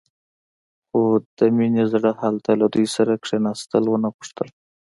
خو د مينې زړه هلته له دوی سره کښېناستل ونه غوښتل.